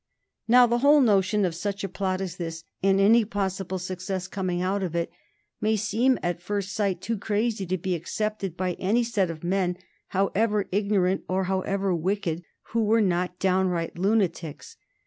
Now the whole notion of such a plot as this, and any possible success coming out of it, may seem, at first sight, too crazy to be accepted by any set of men, however ignorant or however wicked, who were not downright lunatics.